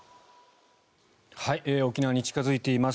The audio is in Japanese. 沖縄に近付いています